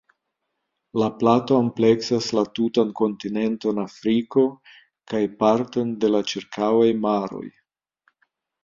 La plato ampleksas la tutan kontinenton Afriko kaj parton de la ĉirkaŭaj maroj.